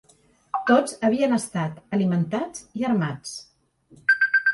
Tots havien estat alimentats i armats.